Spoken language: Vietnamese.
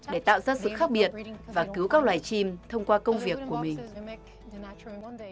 để tạo ra sự khác biệt và cứu các loài chim thông qua công việc của mình